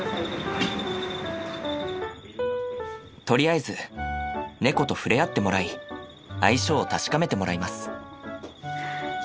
とりあえず猫と触れ合ってもらい相性を確かめてもらいます。